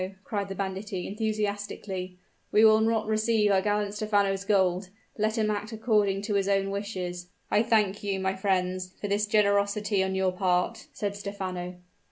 cried the banditti, enthusiastically; "we will not receive our gallant Stephano's gold! Let him act according to his own wishes!" "I thank you, my friends, for this generosity on your part," said Stephano.